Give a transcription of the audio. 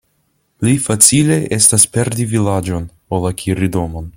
Pli facile estas perdi vilaĝon, ol akiri domon.